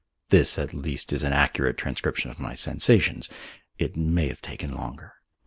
This at least is an accurate transcription of my sensations. It may have taken longer.